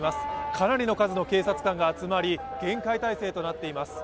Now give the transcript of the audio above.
かなりの数の警察官が集まり厳戒態勢となっています。